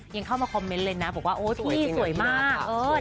ยังเข้ามาคอมเมนต์เลยนะบอกว่าโอ๊ยสวยมาก